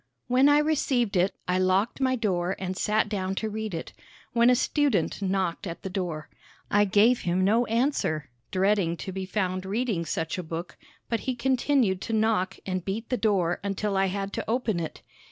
When I received it, I locked my door and sat down to read it, when a student knocked at the door. I gave him no answer, dreading to be found reading such a book, but he continued to knock and beat the door until I had to open it.